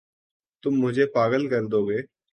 تم مجھے پاگل کر دو گے